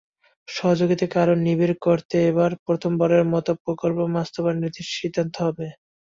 সহযোগিতাকে আরও নিবিড় করতে এবার প্রথমবারের মতো প্রকল্প বাস্তবায়নের সিদ্ধান্ত হবে।